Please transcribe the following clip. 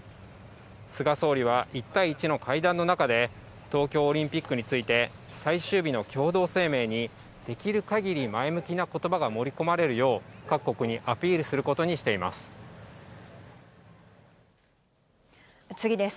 菅総理は１対１の会談の中で、東京オリンピックについて最終日の共同声明に、できるかぎり前向きなことばが盛り込まれるよう、各国にアピール次です。